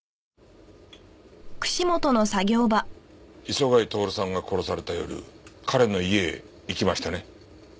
磯貝徹さんが殺された夜彼の家へ行きましたね？